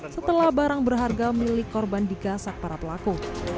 setelah barang berharga milik korban digasak para pelaku